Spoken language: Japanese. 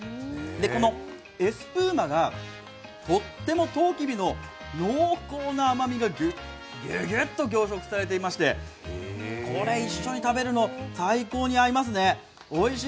このエスプーマがとってもとうきびの濃厚な甘みがギュギュッと凝縮されていましてこれ、一緒に食べるの最高ですね。